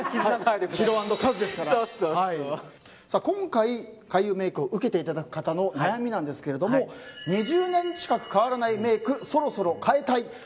今回開運メイクを受けていただく方の悩みなんですけれども２０年近く変わらないメイクそろそろ変えたい。